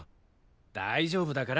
大丈夫だから。